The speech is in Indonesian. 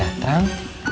tidak ada yang si